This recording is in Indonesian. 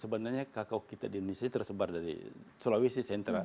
sebenarnya kakao kita di indonesia tersebar dari sulawesi sentral